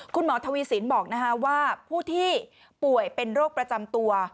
คุณหมอทวีสินบอกว่าผู้ที่ป่วยเป็นโรคประจำตัว